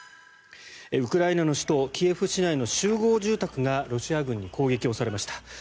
ウクライナの首都キエフ市内の集合住宅がロシア軍に攻撃されました。